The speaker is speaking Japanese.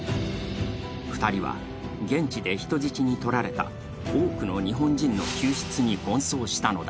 ２人は現地で人質にとられた多くの日本人の救出に奔走したのだ。